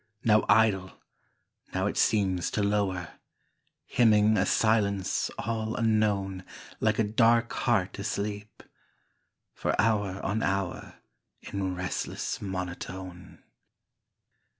Now idle, now it seems to lower, Hymning a Silence all unknown, Like a dark heart asleep,—for hourOn hour in restless monotone.